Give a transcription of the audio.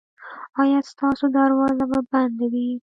ایا ستاسو دروازه به بنده وي؟